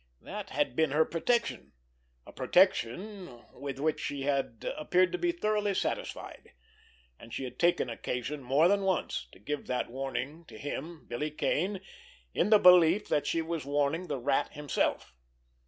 That had been her protection, a protection with which she had appeared to be thoroughly satisfied, and she had taken occasion more than once to give that warning to him, Billy Kane, in the belief that she was warning the Rat himself.